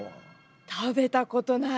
食べたことない。